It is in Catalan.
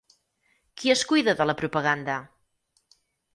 Qui es cuida de la propaganda?